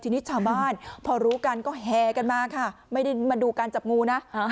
ทีนี้ชาวบ้านพอรู้กันก็แหกันมาค่ะไม่ได้มาดูการจับงูนะ